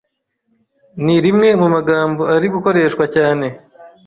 Ni irimwe mu magambo ari gukoreshwa cyane